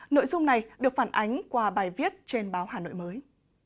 nội dung này được phản ánh qua bài viết trên báo hà nội mới